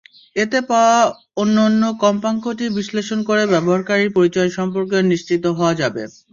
এতে পাওয়া অনন্য কম্পাঙ্কটি বিশ্লেষণ করে ব্যবহারকারীর পরিচয় সম্পর্কে নিশ্চিত হওয়া যাবে।